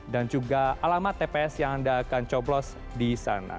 dan juga alamat tps yang anda akan coplos di sana